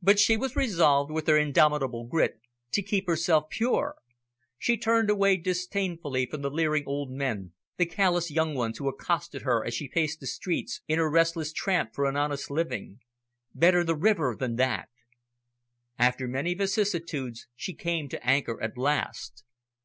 But she was resolved, with her indomitable grit, to keep herself pure. She turned away disdainfully from the leering old men, the callous young ones who accosted her as she paced the streets in her restless tramp for an honest living. Better the river than that! After many vicissitudes, she came to anchor at last.